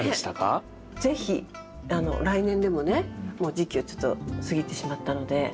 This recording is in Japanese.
是非来年でもねもう時期をちょっと過ぎてしまったので。